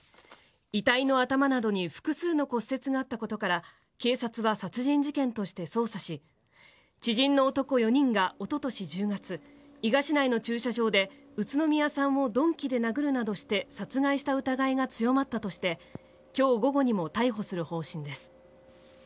遺体の頭などに複数の骨折があったことから警察は殺人事件として捜査し知人の男４人がおととし１０月伊賀市内の駐車場で宇都宮さんを鈍器で殴るなどして殺害した疑いが強まったとして今日午後にも逮捕する方針です。